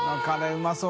うまそう。